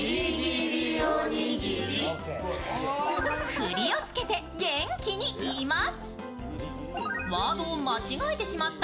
振りをつけて元気に言います。